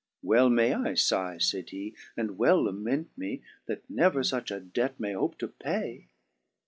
Well may I figh," (fayd he) " and well lament me. That never fuch a debt may hope to pay."